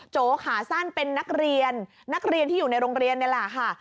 โจขาสั้นเป็นนักเรียนนักเรียนที่อยู่ในโรงเรียนนี่แหละค่ะ